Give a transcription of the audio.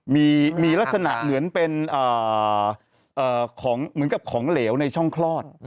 มีลักษณะเหมือนเป็นของเหลวในช่องคลอด